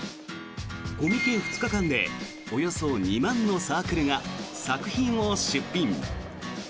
コミケ２日間でおよそ２万のサークルが作品を出品。